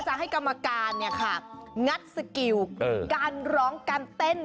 จะให้กรรมการนี่ค่ะงัดสกิลการร้องการเต้น